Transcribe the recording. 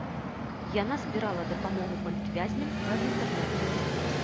Яна збірала дапамогу палітвязням праз інтэрнэт.